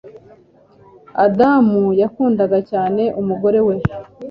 Adamu yakundaga cyane umugore we